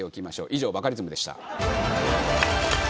以上バカリズムでした。